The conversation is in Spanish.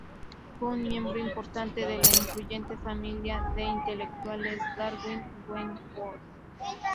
Fue un miembro importante de la influyente familia de intelectuales Darwin-Wedgwood.